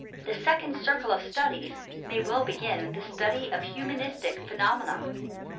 The second circle of studies may well begin with the study of humanistic iDhenomena.